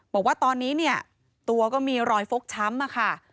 บอกว่าตอนนี้ตัวก็มีรอยฟกช้ำ